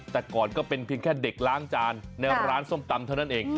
แต่ก่อนก็เป็นเพียงแค่เด็กล้างจานในร้านส้มตำเท่านั้นเอง